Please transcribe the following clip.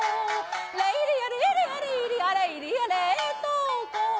レイリアレイリアレイリアレイリア冷凍庫